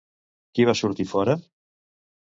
Qui va sortir fora?